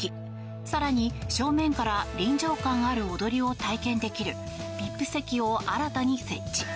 更に、正面から臨場感ある踊りを体験できるＶＩＰ席を新たに設置。